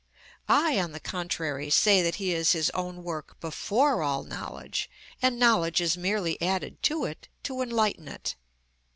I, on the contrary, say that he is his own work before all knowledge, and knowledge is merely added to it to enlighten it.